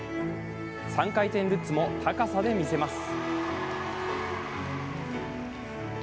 ３回転ルッツも高さで見せます。